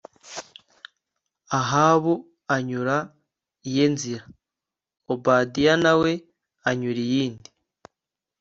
Ahabu anyura iye nzira, Obadiya na we anyura iyindi